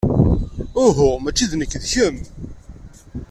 Uhu, maci d nekk, d kemm!